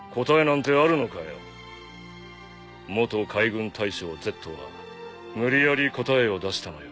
元海軍大将Ｚは無理やり答えを出したのよ。